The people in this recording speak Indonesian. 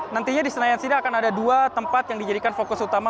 nantinya di senayan sini akan ada dua tempat yang dijadikan fokus utama